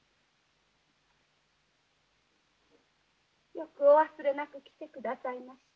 よくお忘れなく来てくださいました。